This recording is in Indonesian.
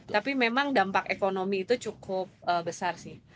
tapi memang dampak ekonomi itu cukup besar sih